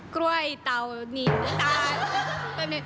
กล้วยตาวนี้